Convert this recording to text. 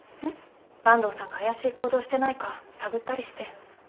坂東さんが怪しい行動してないか探ったりして。